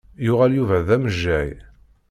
Yuɣal Yuba d amejjay.